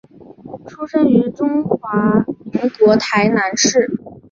出生于中华民国台南市。